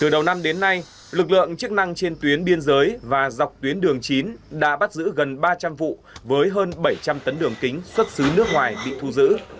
đầu năm đến nay lực lượng chức năng trên tuyến biên giới và dọc tuyến đường chín đã bắt giữ gần ba trăm linh vụ với hơn bảy trăm linh tấn đường kính xuất xứ nước ngoài bị thu giữ